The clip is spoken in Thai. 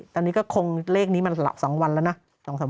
ตอนนี้ก็คงเลขนี้มา๒วันแล้วนะ